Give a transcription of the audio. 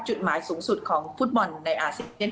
จุดหมายสูงสุดของฟุตบอลในอาเซียน